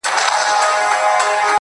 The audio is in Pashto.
د ژوندون ساز كي ائينه جوړه كړي~